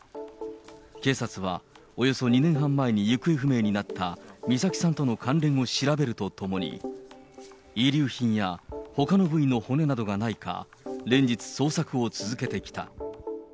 警察はおよそ２年半前に行方不明になった美咲さんとの関連を調べるとともに、遺留品やほかの部位の骨などがないか、連日捜索を続けてきた。